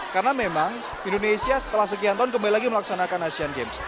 karena memang indonesia setelah sekian tahun kembali lagi melaksanakan asian games